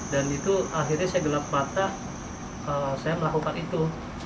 dan itu akhirnya saya gelap mata saya melakukan itu